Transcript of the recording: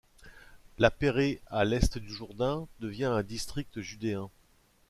La Pérée à l'Est du Jourdain devient un district judéen.